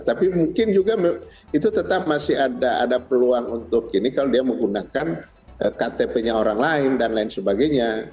tapi mungkin juga itu tetap masih ada peluang untuk ini kalau dia menggunakan ktp nya orang lain dan lain sebagainya